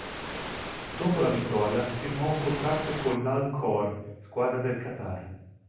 Dopo la vittoria firmò un contratto con l'Al-Khor, squadra del Qatar.